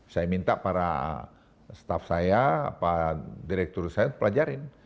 saya minta para staff saya para direktur saya pelajarin